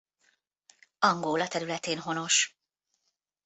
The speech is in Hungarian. Angola területén honos.